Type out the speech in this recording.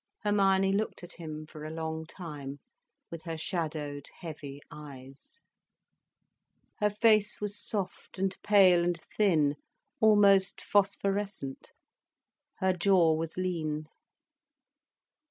Hermione looked at him for a long time, with her shadowed, heavy eyes. Her face was soft and pale and thin, almost phosphorescent, her jaw was lean.